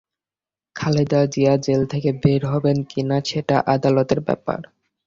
Khaleda Zia jail থেকে বের হবেন কি না, সেটা আদালতের ব্যাপার।